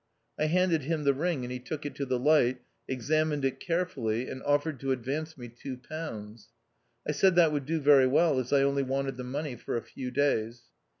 I handed him the ring, and he took it to the light, examined it carefully, and offered to advance me two pounds. I said that would do very well, as I only wanted the money for a few days.